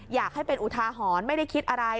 อยากให้เป็นอุทาหรณ์ไม่ได้คิดอะไร